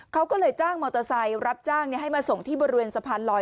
เขาก็เลยจ้างมอเตอร์ไซค์รับจ้างให้มาส่งที่บริเวณสะพานลอย